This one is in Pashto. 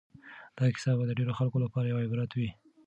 دا کیسه به د ډېرو خلکو لپاره یو عبرت وي.